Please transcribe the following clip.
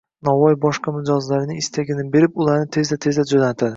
Novvoy boshqa mijozlarining istagini berib, ularni tezda-tezda jo'natadi